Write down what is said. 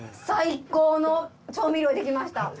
最高の調味料できました。